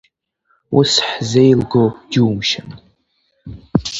Ус ҳзеилго џьумшьан.